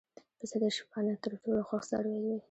پسه د شپانه تر ټولو خوښ څاروی وي.